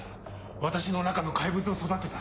私の中の怪物を育てた。